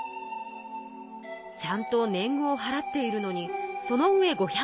ちゃんと年貢をはらっているのにそのうえ５００両とは。